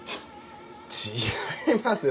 違いますよ